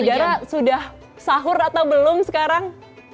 darah sudah sahur atau belum sekarang